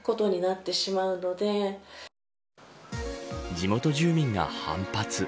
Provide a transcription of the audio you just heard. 地元住民が反発。